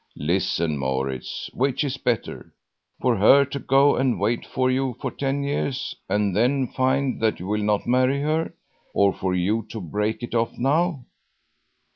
"Listen, Maurits! Which is better? For her to go and wait for you for ten years, and then find that you will not marry her, or for you to break it off now?